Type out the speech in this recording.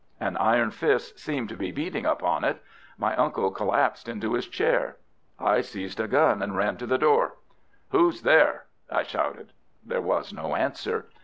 An iron fist seemed to be beating upon it. My uncle collapsed into his chair. I seized a gun and ran to the door. "Who's there?" I shouted. There was no answer.